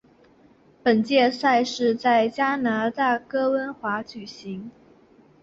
本届赛事在加拿大温哥华举行。